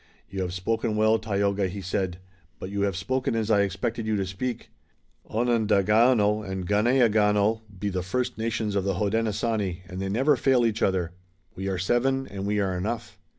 "You have spoken well, Tayoga," he said, "but you have spoken as I expected you to speak. Onundagaono and Ganeagaono be the first nations of the Hodenosaunee and they never fail each other. We are seven and we are enough."